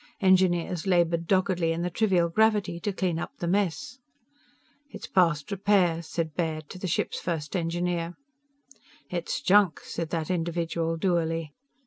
Engineers labored doggedly in the trivial gravity to clean up the mess. "It's past repair," said Baird, to the ship's first engineer. "It's junk," said that individual dourly.